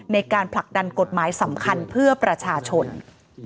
ในการผลักดันกฎหมายสำคัญเพื่อประชาชน